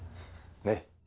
ねっ。